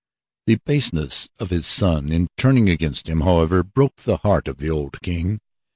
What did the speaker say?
The baseness of his son in turning against him, however, broke the heart of the old king.